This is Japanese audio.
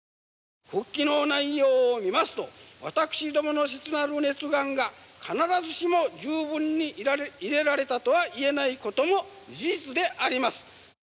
復帰の内容を見ますと私どもの切なる熱願が必ずしも十分に入れられたとはいえないことも事実であります。